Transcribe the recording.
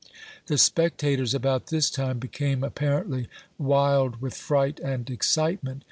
The spectators, about this time, became apparently wild with fright and excitement.